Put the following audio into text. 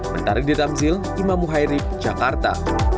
bentarik di tamsil imam muhairi jakarta